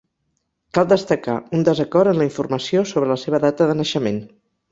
Cal destacar un desacord en la informació sobre la seva data de naixement.